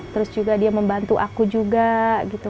terus juga dia membantu aku juga gitu